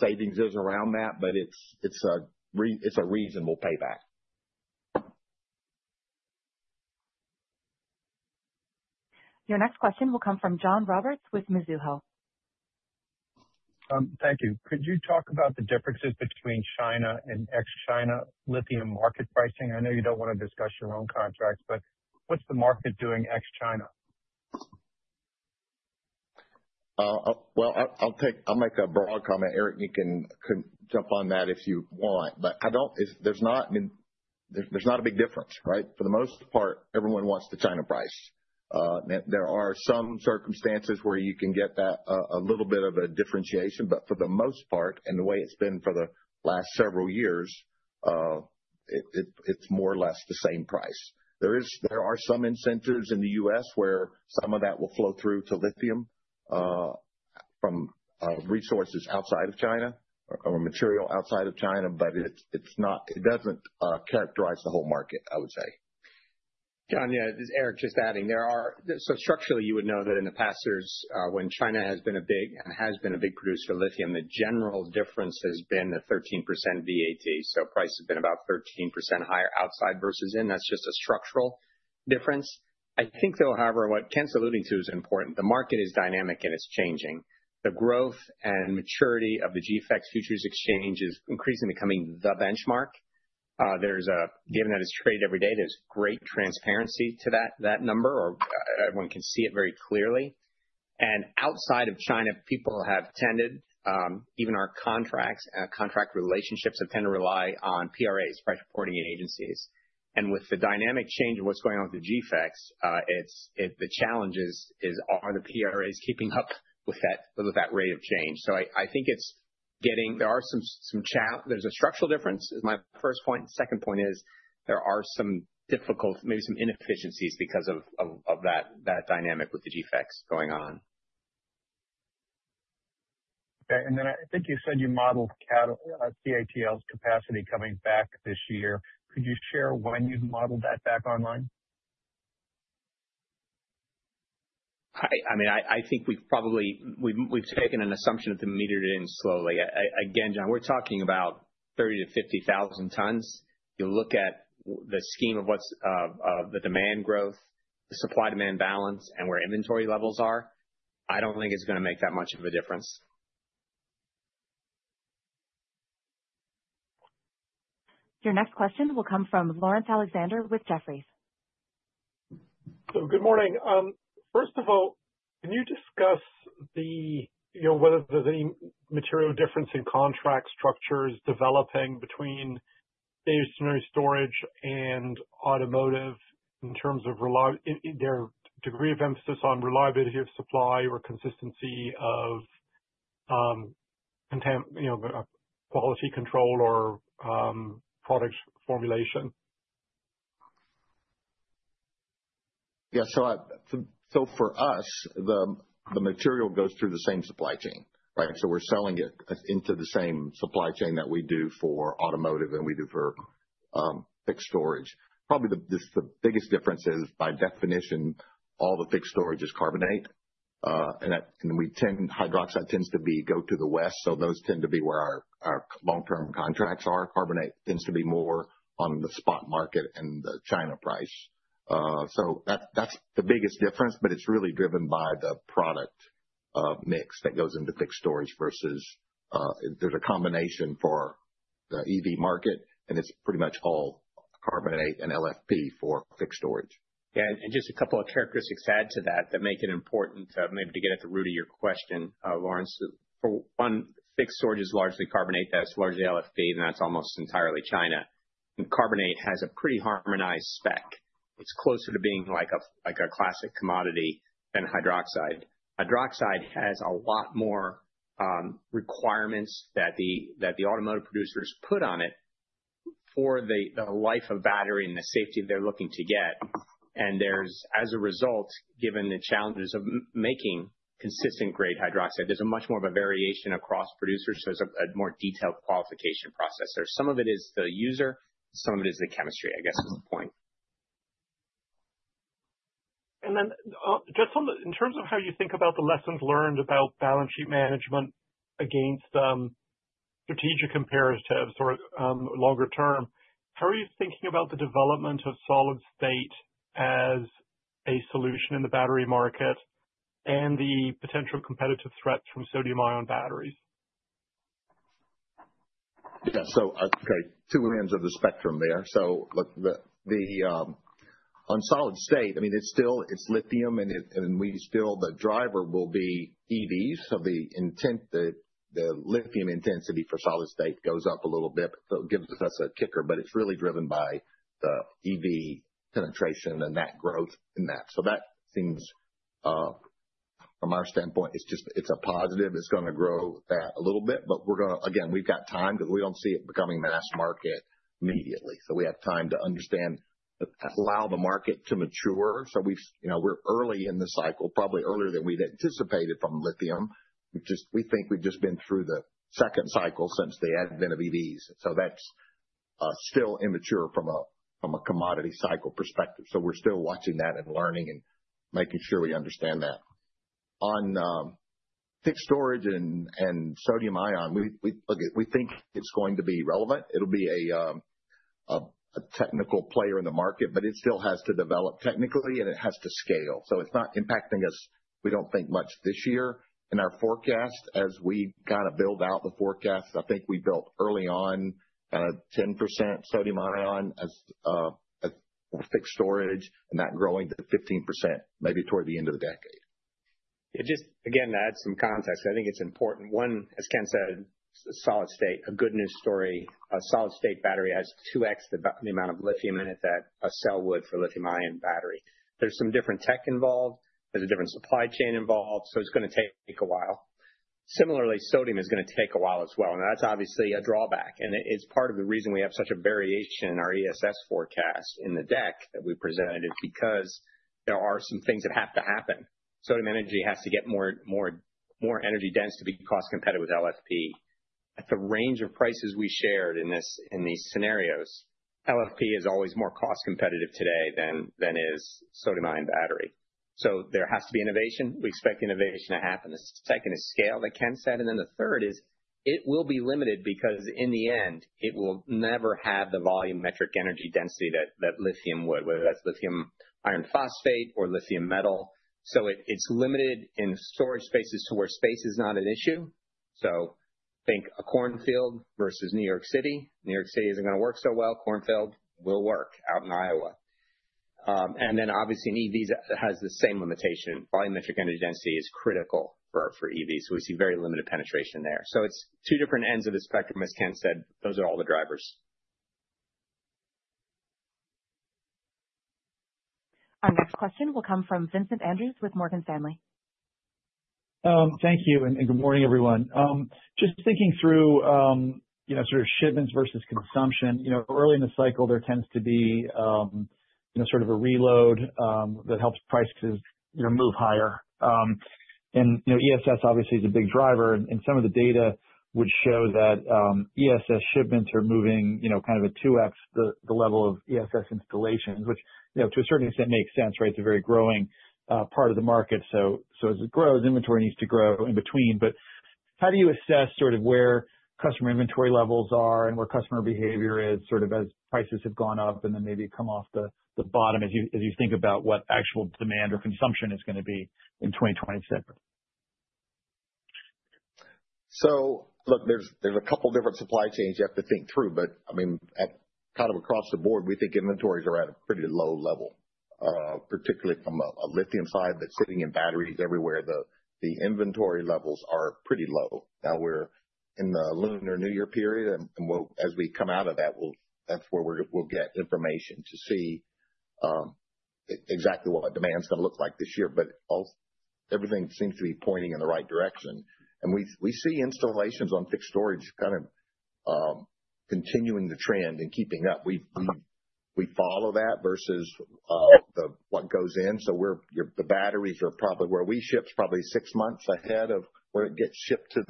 savings is around that, but it's a reasonable payback. Your next question will come from John Roberts with Mizuho. Thank you. Could you talk about the differences between China and ex-China lithium market pricing? I know you don't want to discuss your own contracts, but what's the market doing ex-China? Well, I'll make a broad comment. Eric, you can jump on that if you want. But it's, there's not, I mean, there's not a big difference, right? For the most part, everyone wants the China price. There are some circumstances where you can get that, a little bit of a differentiation, but for the most part, and the way it's been for the last several years, it, it's more or less the same price. There are some incentives in the U.S. where some of that will flow through to lithium, from resources outside of China or material outside of China, but it's not, it doesn't characterize the whole market, I would say. John, yeah, this is Eric, just adding. There are. So structurally, you would know that in the past years, when China has been a big, and has been a big producer of lithium, the general difference has been a 13% VAT, so price has been about 13% higher outside versus in. That's just a structural difference. I think, though, however, what Kent's alluding to is important. The market is dynamic, and it's changing. The growth and maturity of the GFEX Futures Exchange is increasingly becoming the benchmark. There's a, given that it's traded every day, there's great transparency to that, that number, or, everyone can see it very clearly. And outside of China, people have tended, even our contracts, contract relationships, have tend to rely on PRAs, Price Reporting Agencies. With the dynamic change of what's going on with the GFEX, the challenge is: are the PRAs keeping up with that rate of change? So I think it's getting... There's a structural difference, is my first point. Second point is there are some difficult, maybe some inefficiencies, because of that dynamic with the GFEX going on. Okay, and then I think you said you modeled CATL's capacity coming back this year. Could you share when you've modeled that back online? I mean, I think we've probably taken an assumption to meter it in slowly. Again, John, we're talking about 30,000-50,000 tons. You look at the scheme of what's the demand growth, the supply-demand balance, and where inventory levels are. I don't think it's gonna make that much of a difference. Your next question will come from Lawrence Alexander with Jefferies. Good morning. First of all, can you discuss the, you know, whether there's any material difference in contract structures developing between stationary storage and automotive in terms of their degree of emphasis on reliability of supply or consistency of, you know, quality control or product formulation?... Yeah, so for us, the material goes through the same supply chain, right? So we're selling it into the same supply chain that we do for automotive and we do for fixed storage. Probably the biggest difference is, by definition, all the fixed storage is carbonate, and we tend—hydroxide tends to go to the west, so those tend to be where our long-term contracts are. Carbonate tends to be more on the spot market and the China price. So that's the biggest difference, but it's really driven by the product mix that goes into fixed storage versus there's a combination for the EV market, and it's pretty much all carbonate and LFP for fixed storage. Yeah, and just a couple of characteristics to add to that that make it important, maybe to get at the root of your question, Lawrence. For one, fixed storage is largely carbonate, that's largely LFP, and that's almost entirely China. And carbonate has a pretty harmonized spec. It's closer to being like a, like a classic commodity than hydroxide. Hydroxide has a lot more requirements that the automotive producers put on it for the life of battery and the safety they're looking to get. And there's, as a result, given the challenges of making consistent grade hydroxide, there's a much more of a variation across producers. There's a more detailed qualification process there. Some of it is the user, some of it is the chemistry, I guess, is the point. And then, just on the... In terms of how you think about the lessons learned about balance sheet management against, strategic comparatives or, longer term, how are you thinking about the development of solid state as a solution in the battery market and the potential competitive threats from sodium-ion batteries? Yeah. So, okay, two ends of the spectrum there. So the on solid state, I mean, it's still, it's lithium, and it, and we still the driver will be EVs. So the intent, the lithium intensity for solid state goes up a little bit, so it gives us a kicker, but it's really driven by the EV penetration and that growth in that. So that seems from our standpoint, it's just, it's a positive. It's going to grow that a little bit, but we're gonna... Again, we've got time because we don't see it becoming mass market immediately. So we have time to understand, allow the market to mature. So we've you know, we're early in the cycle, probably earlier than we'd anticipated from lithium. We've just, we think we've just been through the second cycle since the advent of EVs, so that's still immature from a, from a commodity cycle perspective. So we're still watching that and learning and making sure we understand that. On fixed storage and sodium-ion, we look, we think it's going to be relevant. It'll be a technical player in the market, but it still has to develop technically, and it has to scale, so it's not impacting us, we don't think, much this year. In our forecast, as we kind of build out the forecast, I think we built early on 10% sodium-ion as a fixed storage and that growing to 15%, maybe toward the end of the decade. Yeah, just again, to add some context, I think it's important. One, as Kent said, solid state, a good news story. A solid-state battery has 2x the amount of lithium in it that a cell would for lithium-ion battery. There's some different tech involved. There's a different supply chain involved, so it's going to take a while. Similarly, sodium is going to take a while as well, and that's obviously a drawback, and it is part of the reason we have such a variation in our ESS forecast in the deck that we presented, is because there are some things that have to happen. Sodium energy has to get more, more, more energy dense to be cost competitive with LFP. At the range of prices we shared in this, in these scenarios, LFP is always more cost competitive today than, than is sodium ion battery. So there has to be innovation. We expect innovation to happen. The second is scale, that Kent said, and then the third is it will be limited, because in the end, it will never have the volumetric energy density that, that lithium would, whether that's lithium iron phosphate or lithium metal. So it, it's limited in storage spaces to where space is not an issue. So think a cornfield versus New York City. New York City isn't going to work so well. Cornfield will work out in Iowa. And then obviously, an EV has the same limitation. Volumetric energy density is critical for, for EVs, so we see very limited penetration there. So it's two different ends of the spectrum, as Kent said, those are all the drivers. Our next question will come from Vincent Andrews with Morgan Stanley. Thank you, and good morning, everyone. Just thinking through, you know, sort of shipments versus consumption. You know, early in the cycle, there tends to be, you know, sort of a reload, that helps prices, you know, move higher. And, you know, ESS obviously is a big driver, and some of the data would show that, ESS shipments are moving, you know, kind of a 2x the level of ESS installations, which, you know, to a certain extent, makes sense, right? It's a very growing part of the market. So, as it grows, inventory needs to grow in between. How do you assess sort of where customer inventory levels are and where customer behavior is, sort of, as prices have gone up and then maybe come off the bottom as you think about what actual demand or consumption is going to be in 2027? So look, there's a couple different supply chains you have to think through, but I mean, at kind of across the board, we think inventories are at a pretty low level, particularly from a lithium side that's sitting in batteries everywhere. The inventory levels are pretty low. Now, we're in the Lunar New Year period, and as we come out of that, we'll get information to see exactly what demand's going to look like this year, but everything seems to be pointing in the right direction, and we see installations on fixed storage kind of continuing the trend and keeping up. We follow that versus what goes in. So the batteries are probably where we ship, probably 6 months ahead of where it gets shipped to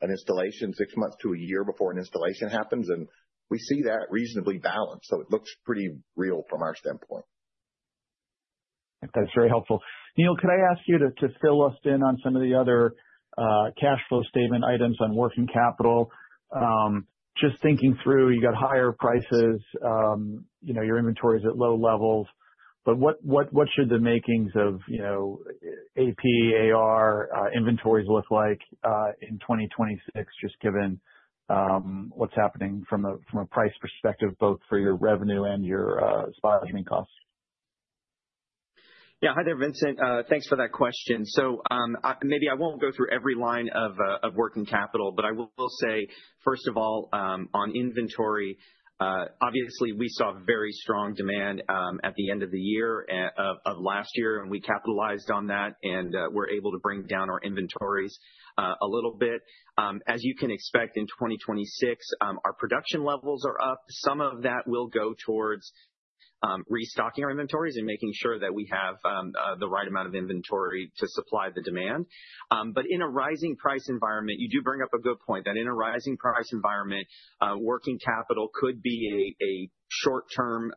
an installation, 6 months to a year before an installation happens, and we see that reasonably balanced, so it looks pretty real from our standpoint. That's very helpful. Neal, could I ask you to fill us in on some of the other cash flow statement items on working capital? Just thinking through, you got higher prices, you know, your inventory is at low levels, but what should the makings of, you know, AP, AR, inventories look like in 2026, just given what's happening from a price perspective, both for your revenue and your spot shipping costs? Yeah. Hi there, Vincent. Thanks for that question. So, maybe I won't go through every line of working capital, but I will say, first of all, on inventory, obviously we saw very strong demand at the end of the year of last year, and we capitalized on that, and we're able to bring down our inventories a little bit. As you can expect, in 2026, our production levels are up. Some of that will go towards restocking our inventories and making sure that we have the right amount of inventory to supply the demand. But in a rising price environment, you do bring up a good point, that in a rising price environment, working capital could be a short-term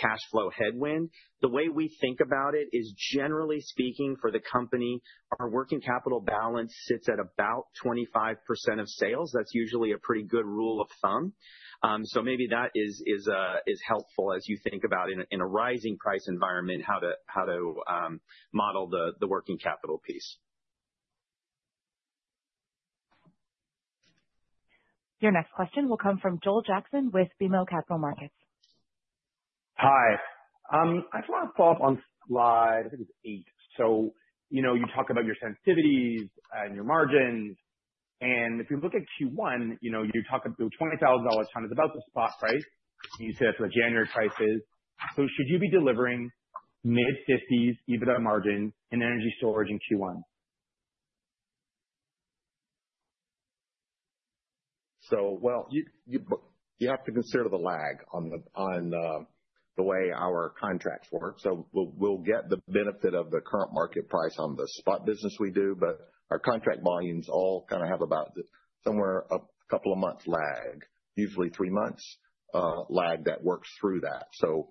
cash flow headwind. The way we think about it is, generally speaking for the company, our working capital balance sits at about 25% of sales. That's usually a pretty good rule of thumb. So maybe that is helpful as you think about in a rising price environment, how to model the working capital piece. Your next question will come from Joel Jackson with BMO Capital Markets. Hi. I just want to follow up on slide, I think it's 8. So, you know, you talk about your sensitivities and your margins, and if you look at Q1, you know, you're talking through $20,000/ton is about the spot price, and you said that's what January price is. So should you be delivering mid-50s% EBITDA margin and energy storage in Q1? So well, you have to consider the lag on the way our contracts work. So we'll get the benefit of the current market price on the spot business we do, but our contract volumes all kind of have about somewhere a couple of months lag, usually three months, lag, that works through that. So,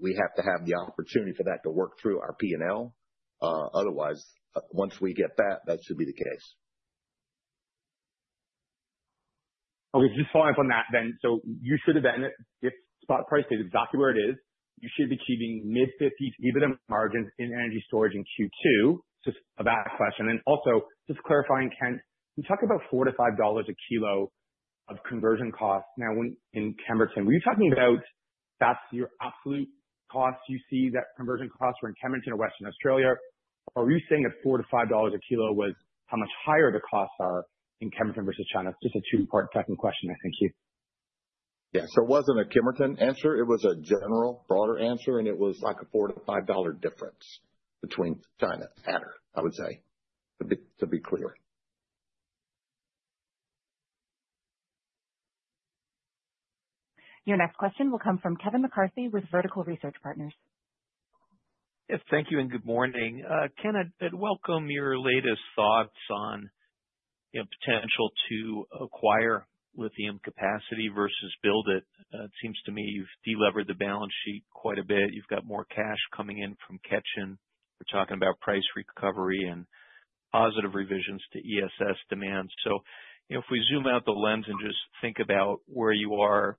we have to have the opportunity for that to work through our P&L. Otherwise, once we get that, that should be the case. Okay. Just following up on that then. So you should have been, if spot price is exactly where it is, you should be keeping mid-50s% EBITDA margins in energy storage in Q2. Just a bad question. And also just clarifying, Kent, you talked about $4-$5 a kilo of conversion costs now in, in Kemerton. Were you talking about that's your absolute costs you see that conversion costs were in Kemerton or Western Australia, or were you saying that $4-$5 a kilo was how much higher the costs are in Kemerton versus China? Just a two-part second question, I think. Yeah. So it wasn't a Kemerton answer. It was a general broader answer, and it was like a $4-$5 difference between China and ex-China, I would say, to be, to be clear. Your next question will come from Kevin McCarthy with Vertical Research Partners. Yes, thank you and good morning. Kent, I'd welcome your latest thoughts on the potential to acquire lithium capacity versus build it. It seems to me you've delevered the balance sheet quite a bit. You've got more cash coming in from Ketjen. We're talking about price recovery and positive revisions to ESS demands. So, if we zoom out the lens and just think about where you are,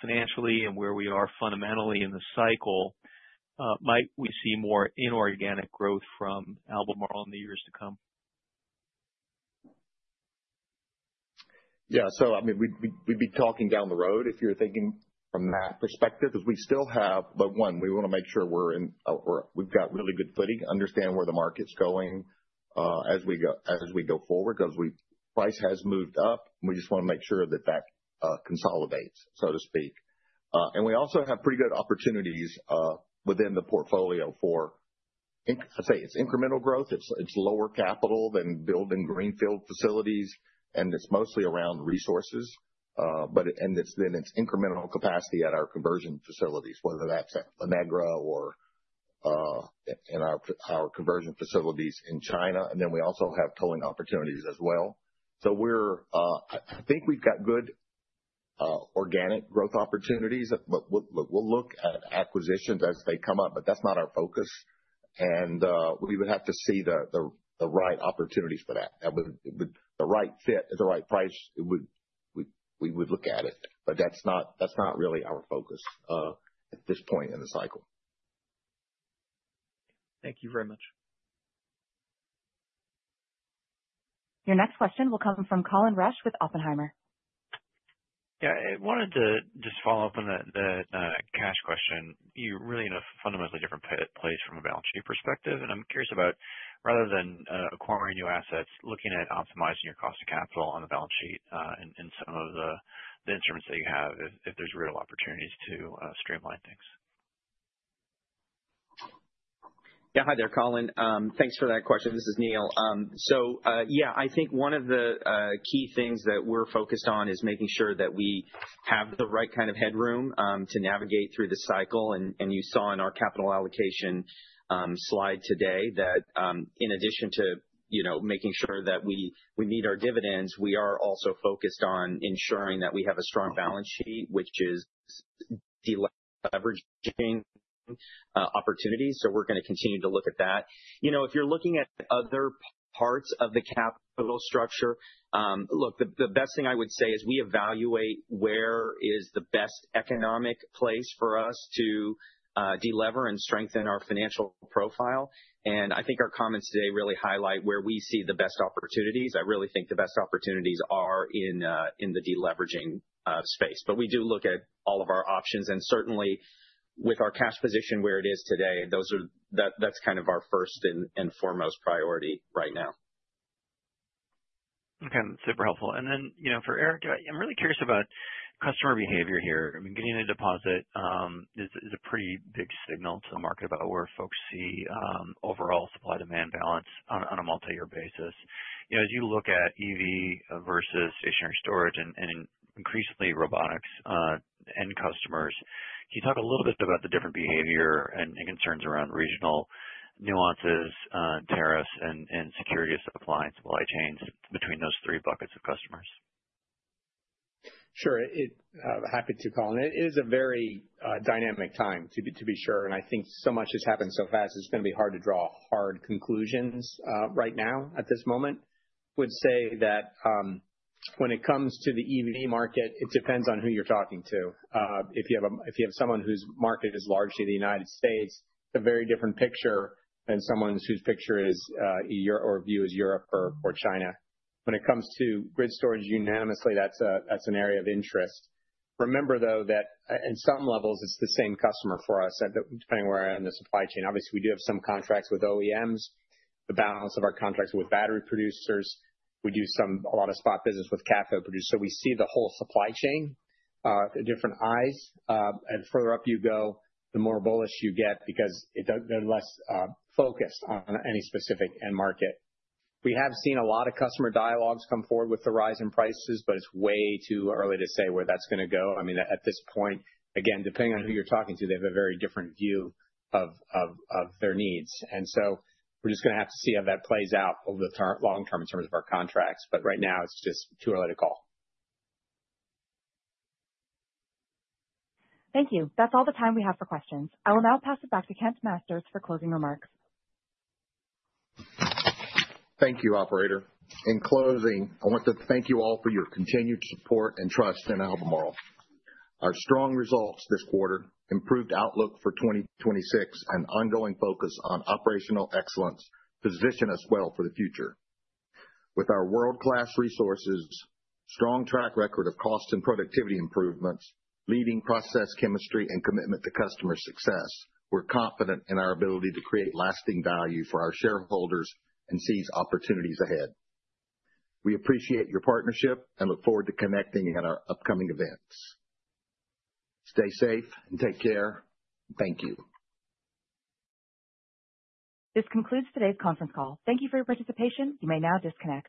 financially and where we are fundamentally in the cycle, might we see more inorganic growth from Albemarle in the years to come? Yeah. So, I mean, we'd be talking down the road if you're thinking from that perspective, because we still have—but one, we want to make sure we're in, we've got really good footing, understand where the market's going, as we go, as we go forward, because we... Price has moved up, and we just want to make sure that that consolidates, so to speak. And we also have pretty good opportunities within the portfolio for, I'd say it's incremental growth, it's lower capital than building greenfield facilities, and it's mostly around resources, but it and it's, then it's incremental capacity at our conversion facilities, whether that's at Nevada or in our conversion facilities in China, and then we also have tolling opportunities as well. So we're, I think we've got good organic growth opportunities, but we'll look at acquisitions as they come up, but that's not our focus. We would have to see the right opportunities for that. With the right fit at the right price, we would look at it, but that's not really our focus at this point in the cycle. Thank you very much. Your next question will come from Colin Rusch with Oppenheimer. Yeah, I wanted to just follow up on the cash question. You're really in a fundamentally different place from a balance sheet perspective, and I'm curious about rather than acquiring new assets, looking at optimizing your cost of capital on the balance sheet, and some of the instruments that you have, if there's real opportunities to streamline things. Yeah. Hi there, Colin. Thanks for that question. This is Neal. So, yeah, I think one of the key things that we're focused on is making sure that we have the right kind of headroom to navigate through the cycle. And you saw in our capital allocation slide today, that in addition to, you know, making sure that we meet our dividends, we are also focused on ensuring that we have a strong balance sheet, which is deleveraging opportunities. So we're going to continue to look at that. You know, if you're looking at other parts of the capital structure, look, the best thing I would say is we evaluate where is the best economic place for us to delever and strengthen our financial profile. I think our comments today really highlight where we see the best opportunities. I really think the best opportunities are in the deleveraging space. But we do look at all of our options, and certainly with our cash position where it is today, that's kind of our first and foremost priority right now. Okay, super helpful. Then, you know, for Eric, I'm really curious about customer behavior here. I mean, getting a deposit is a pretty big signal to the market about where folks see overall supply-demand balance on a multi-year basis. You know, as you look at EV versus stationary storage and increasingly robotics end customers, can you talk a little bit about the different behavior and concerns around regional nuances, tariffs, and security of supply chains between those three buckets of customers? Sure, happy to, Colin. It is a very dynamic time, to be sure, and I think so much has happened so fast, it's going to be hard to draw hard conclusions right now at this moment. Would say that when it comes to the EV market, it depends on who you're talking to. If you have someone whose market is largely the United States, it's a very different picture than someone whose view is Europe or China. When it comes to grid storage, unanimously, that's an area of interest. Remember, though, that in some levels, it's the same customer for us, depending on where we are in the supply chain. Obviously, we do have some contracts with OEMs. The balance of our contracts are with battery producers. We do some, a lot of spot business with cathode producers. So we see the whole supply chain, different eyes. The further up you go, the more bullish you get because they're less focused on any specific end market. We have seen a lot of customer dialogues come forward with the rise in prices, but it's way too early to say where that's going to go. I mean, at this point, again, depending on who you're talking to, they have a very different view of their needs. So we're just going to have to see how that plays out over the long term in terms of our contracts. But right now, it's just too early to call. Thank you. That's all the time we have for questions. I will now pass it back to Kent Masters for closing remarks. Thank you, operator. In closing, I want to thank you all for your continued support and trust in Albemarle. Our strong results this quarter, improved outlook for 2026, and ongoing focus on operational excellence position us well for the future. With our world-class resources, strong track record of cost and productivity improvements, leading process chemistry, and commitment to customer success, we're confident in our ability to create lasting value for our shareholders and seize opportunities ahead. We appreciate your partnership and look forward to connecting at our upcoming events. Stay safe and take care. Thank you. This concludes today's conference call. Thank you for your participation. You may now disconnect.